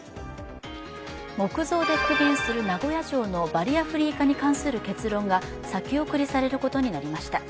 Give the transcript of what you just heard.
木造で復元する名古屋城のバリアフリー化に関する結論が先送りされることになりました。